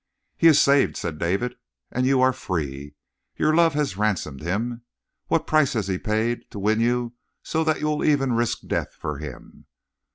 "He is saved," said David, "and you are free. Your love has ransomed him. What price has he paid to win you so that you will even risk death for him?"